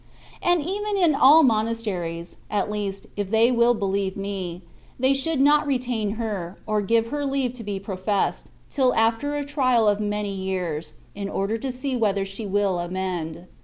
And even in all monas teries (at least, if they will believe me), they should not retain her, or give her leave to be ^^professed,^' till after a trial of many years, in order to see whether $he will amend.